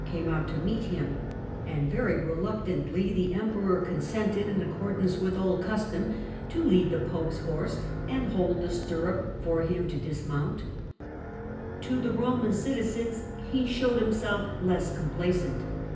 came out to meet him, and very reluctantly the king 154 THE CENTRAL PERIOD OF THE MIDDLE AGE consented, in accordance with old custom, to lead the Pope's horse, and hold the stirrup for him to dismount. To the Roman citizens he showed himself less com plaisant.